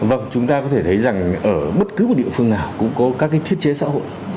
vâng chúng ta có thể thấy rằng ở bất cứ một địa phương nào cũng có các thiết chế xã hội